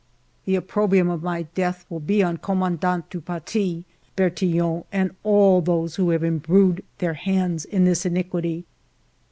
The oppro brium of my death will be on Commandant du Paty, Bertillon, and all those who have imbrued their hands in this iniquity.